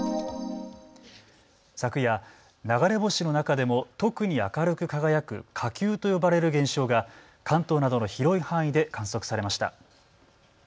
昨夜、流れ星の中でも特に明るく輝く火球と呼ばれる現象が関東などの広い範囲で観測されました。